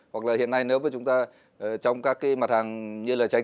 hoặc là hiện nay nếu mà chúng ta trong các cái mặt hàng như là trái cây